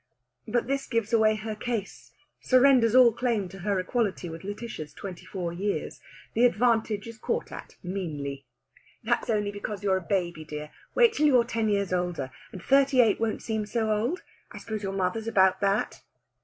But this gives away her case, surrenders all claim to her equality with Lætitia's twenty four years. The advantage is caught at meanly. "That's only because you're a baby, dear. Wait till you're ten years older, and thirty eight won't seem so old. I suppose your mother's about that?"